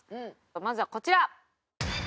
まずはこちら！